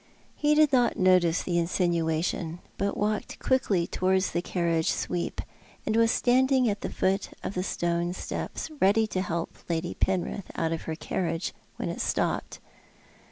He did not notice the insinuation, but walked quickly towards the carriage sweep, and was standing at the foot of the stone steps ready to help Lady Penrith out of her carriage when it stopped.